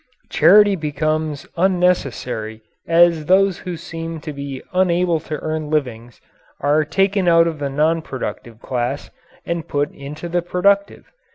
Charity becomes unnecessary as those who seem to be unable to earn livings are taken out of the non productive class and put into the productive.